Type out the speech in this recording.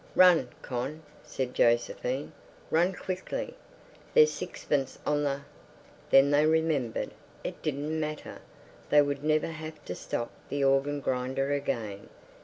"Run, Con," said Josephine. "Run quickly. There's sixpence on the—" Then they remembered. It didn't matter. They would never have to stop the organ grinder again.